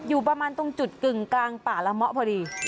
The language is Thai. อยู่ประมาณตรงจุดกึ่งกลางป่าละเมาะพอดี